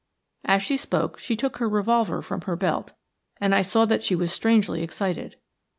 As she spoke she took her revolver from her belt, and I saw that she was strangely excited.